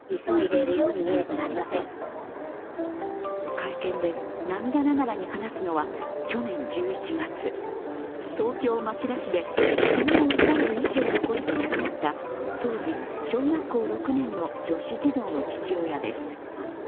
会見で涙ながらに話すのは去年１月、東京・町田市で、いじめを訴える遺書を残して亡くなった当時小学校６年の女子児童の父親です。